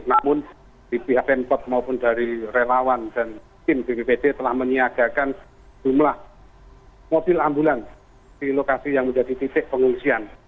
namun di pihak pempot maupun dari relawan dan tim bppt telah menyiagakan jumlah mobil ambulans di lokasi yang sudah dititik pengusian